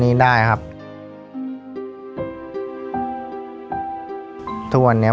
ปิดเท่าไหร่ก็ได้ลงท้ายด้วย๐เนาะ